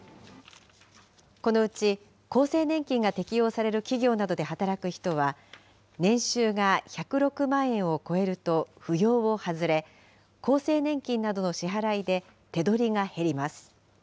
このうち厚生年金が適用される企業などで働く人は、年収が１０６万円を超えると扶養を外れ、厚生年金などの支払いで手取りが減ります。